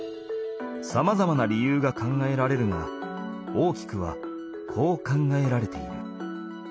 さまざまな理由が考えられるが大きくはこう考えられている。